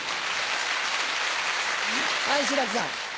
はい志らくさん。